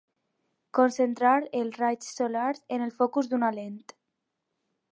Concentrar els raigs solars en el focus d'una lent.